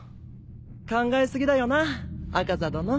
考えすぎだよな猗窩座殿。